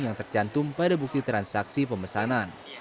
yang tercantum pada bukti transaksi pemesanan